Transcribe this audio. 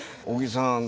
尾木さん